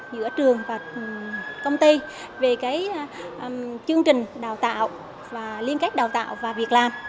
giữa trường và công ty về chương trình đào tạo và liên kết đào tạo và việc làm